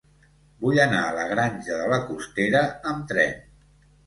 Vull anar a la Granja de la Costera amb tren.